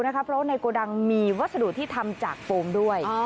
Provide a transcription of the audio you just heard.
เพราะว่าในโกดังมีวัสดุที่ทำจากโฟมด้วย